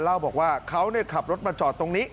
เล่าบอกว่าเขาขับรถมาจอดตรงนี้